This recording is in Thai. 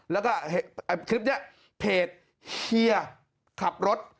แล้วก็คลิปนี้เพจเฮียขับรถ